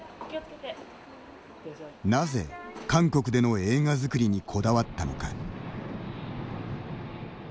なぜ、韓国での映画作りにこだわったのか。